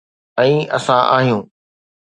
۽ اسان آهيون.